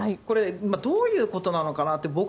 これ、どういうことなのかなって